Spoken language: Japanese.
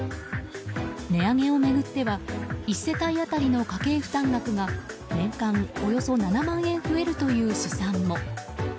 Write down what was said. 値上げを巡っては１世帯当たりの家計負担額が年間およそ７万円増えるという試算も。